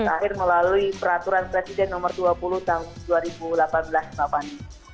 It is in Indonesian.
akhir melalui peraturan presiden nomor dua puluh tahun dua ribu delapan belas mbak fani